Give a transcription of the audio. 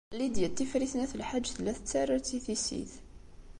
Lidya n Tifrit n At Lḥaǧ tella tettarra-tt i tissit.